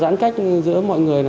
giãn cách giữa mọi người